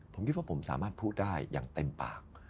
ผมคิดว่าผมสามารถพูดได้อย่างเต็มปาก